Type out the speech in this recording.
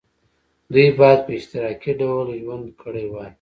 دوی باید په اشتراکي ډول ژوند کړی وای.